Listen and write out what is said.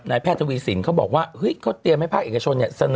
แพทย์ทวีสินเขาบอกว่าเฮ้ยเขาเตรียมให้ภาคเอกชนเนี่ยเสนอ